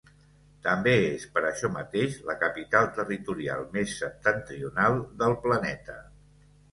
També és, per això mateix, la capital territorial més septentrional del planeta.